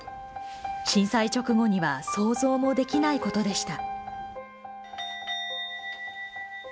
震災直後には想像もできないことでした。